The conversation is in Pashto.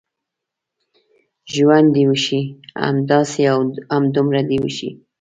ژوند دې وشي، همداسې او همدومره دې وشي.